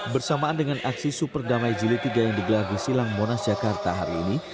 bersamaan dengan aksi superdamai jilidiga yang digelar di silang monas jakarta hari ini